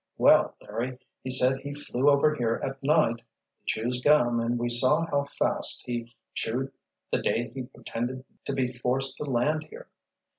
"Well, Larry, he said he flew over here at night. He chews gum and we saw how fast he chewed the day he pretended to be forced to land here.